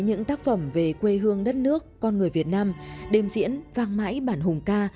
những tác phẩm về quê hương đất nước con người việt nam đêm diễn vang mãi bản hùng ca